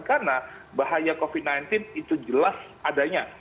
karena bahaya covid sembilan belas itu jelas adanya